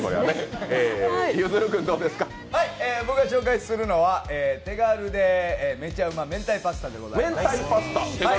僕が紹介するのは手軽でめちゃうま明太パスタでございます。